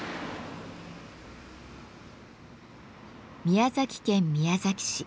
宮崎県宮崎市。